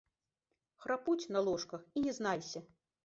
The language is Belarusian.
Храпуць на ложках, і не знайся.